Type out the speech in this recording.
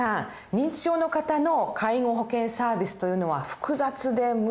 認知症の方の介護保険サービスというのは複雑で難しそうですよね。